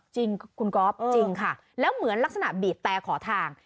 จริงคุณก๊อฟจริงค่ะแล้วเหมือนลักษณะบีบแต่ขอทาง